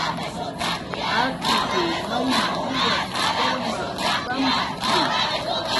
Akishw may jiwat karmaj pampki